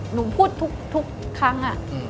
หนูพูดทุกครั้ง